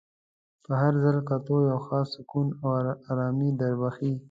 په هر ځل کتو یو خاص سکون او ارامي در بخښي.